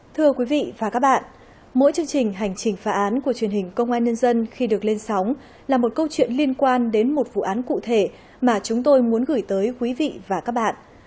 thưa quý vị và các bạn mỗi chương trình hành trình phá án của truyền hình công an nhân dân khi được lên sóng là một câu chuyện liên quan đến một vụ án cụ thể mà chúng tôi muốn gửi tới quý vị và các bạn